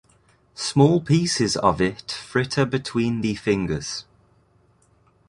Small pieces of it fritter between the fingers.